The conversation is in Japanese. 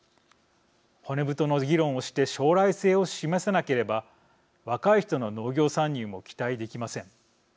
骨太の議論をして将来性を示せなければ若い人の農業参入も期待できません。